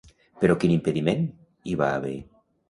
Però quin impediment hi va haver?